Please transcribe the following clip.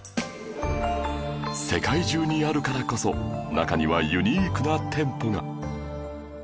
世界中にあるからこそ中にはユニークな店舗が